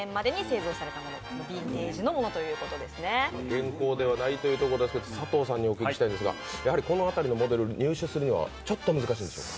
現行ではないということですけれども、佐藤さんにお聞きしたいんですがやはりこの辺りのモデル入手するのはちょっと難しいですか？